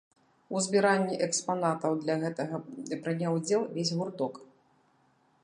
У збіранні экспанатаў для гэтага прыняў удзел увесь гурток.